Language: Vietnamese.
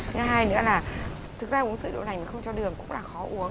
thứ hai nữa là thực ra uống sữa đậu nành mà không cho đường cũng là khó uống